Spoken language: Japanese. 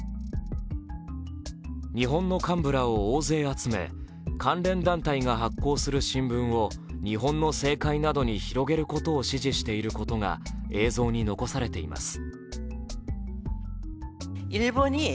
日本の幹部らを大勢集め、関連団体が発行する新聞を日本の政界などに広げることを指示していることが映像に残されています。